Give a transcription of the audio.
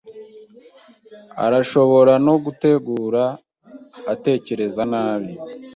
Arashobora no gutegura, atekereza nabi